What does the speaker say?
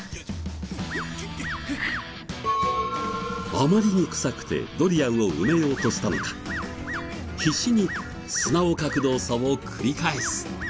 あまりに臭くてドリアンを埋めようとしたのか必死に砂をかく動作を繰り返す。